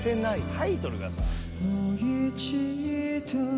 タイトルがさ。